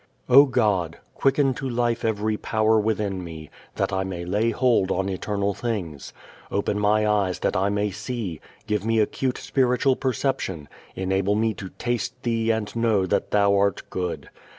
_O God, quicken to life every power within me, that I may lay hold on eternal things. Open my eyes that I may see; give me acute spiritual perception; enable me to taste Thee and know that Thou art good.